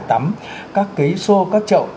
tắm các cái xô các chậu